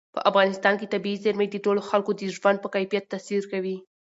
په افغانستان کې طبیعي زیرمې د ټولو خلکو د ژوند په کیفیت تاثیر کوي.